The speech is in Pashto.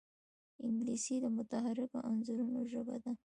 انګلیسي د متحرکو انځورونو ژبه ده